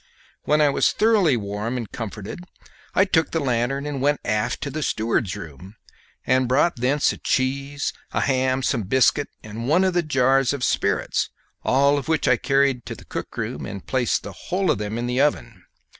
When I was thoroughly warm and comforted I took the lanthorn and went aft to the steward's room, and brought thence a cheese, a ham, some biscuit, and one of the jars of spirits, all which I carried to the cook room, and placed the whole of them in the oven.